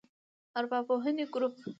ارواپوهنې ګروپ